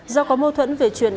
do có mâu thuẫn về chuyện